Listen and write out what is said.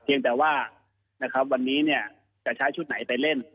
เพียงแต่ว่าวันนี้เนี่ยจะใช้ชุดไหนไปเล่น